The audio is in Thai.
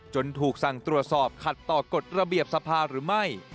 ถูกสั่งตรวจสอบขัดต่อกฎระเบียบสภาหรือไม่